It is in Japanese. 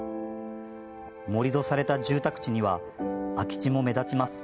盛り土された住宅地には空き地も目立ちます。